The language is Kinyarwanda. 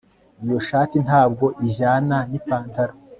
Iyo shati ntabwo ijyana nipantaro